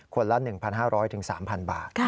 ควรละ๑๕๐๐ถึง๓๐๐๐บาท